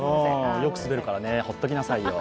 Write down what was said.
よくスベるからね、ほっときなさいよ。